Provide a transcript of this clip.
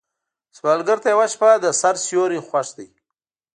سوالګر ته یوه شپه د سر سیوری خوښ دی